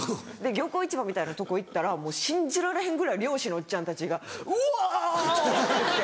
漁港市場みたいなとこ行ったらもう信じられへんぐらい漁師のおっちゃんたちがうお！っていって。